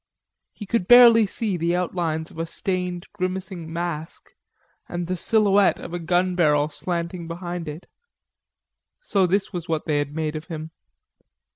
He could barely see the outlines of a stained grimacing mask, and the silhouette of the gun barrel slanting behind it. So this was what they had made of him.